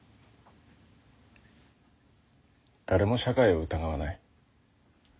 誰も社会を疑わない。